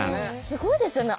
すごいですよね。